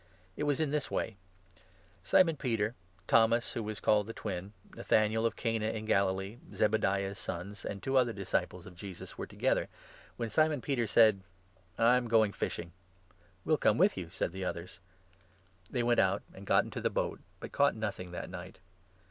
It was in this 2 of Jesus. way :— Simon Peter, Thomas, who was called 'The Twin,' Nathanael of Cana in Galilee, Zebediah's sons, and two other disciples of Jesus, were together, when Simon 3 Peter said : "I am going fishing." "We will come with you," said the others. They went out and got into the boat, but caught nothing that night.